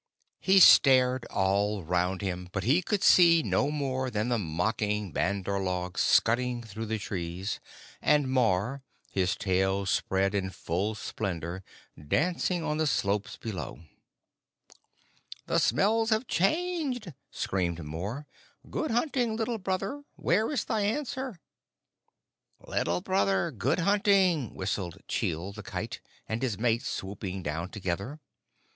He stared all round him, but he could see no more than the mocking bandar log scudding through the trees, and Mor, his tail spread in full splendor, dancing on the slopes below. "The smells have changed," screamed Mor. "Good hunting, Little Brother! Where is thy answer?" "Little Brother, good hunting!" whistled Chil the Kite and his mate, swooping down together.